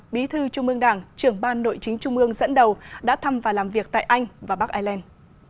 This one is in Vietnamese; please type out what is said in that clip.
bí thư trung ương đảng trưởng ban nội chính trung ương dẫn đầu đã thăm và làm việc tại anh và bắc ireland